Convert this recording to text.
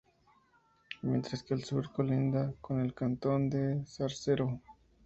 Mientras que al sur colinda con el cantón de Zarcero.